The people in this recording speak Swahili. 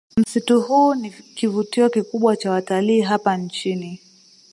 Msitu huu ni kivutio kikubwa cha watalii hapa nchini